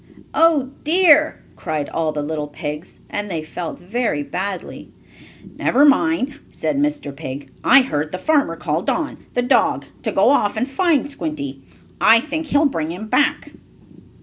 "Oh dear!" cried all the little pigs, and they felt very badly. "Never mind," said Mr. Pig, "I heard the farmer call Don, the dog, to go off and find Squinty. I think he'll bring him back."